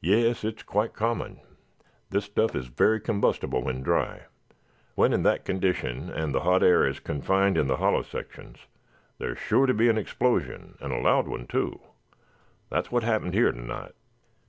"Yes, it is quite common. This stuff is very combustible when dry. When in that condition, and the hot air is confined in the hollow sections, there is sure to be an explosion and loud one, too. That is what happened here tonight."